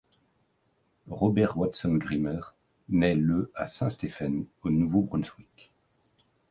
Robert Watson Grimmer naît le à Saint-Stephen, au Nouveau-Brunswick.